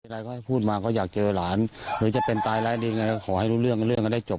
เรื่องไม่ได้จบ